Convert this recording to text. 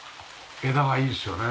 枝がいいですよね。